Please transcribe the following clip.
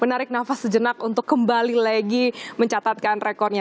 menarik nafas sejenak untuk kembali lagi mencatatkan rekornya